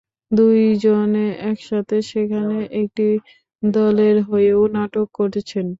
দুজনে একসাথে সেখানের একটি দলের হয়েও নাটক করেছেন।